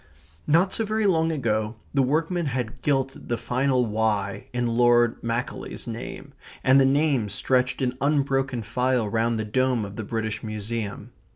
Not so very long ago the workmen had gilt the final "y" in Lord Macaulay's name, and the names stretched in unbroken file round the dome of the British Museum.